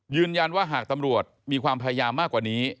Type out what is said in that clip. ยืนยันว่าหากตำรวจมีความพยายามมากกว่านี้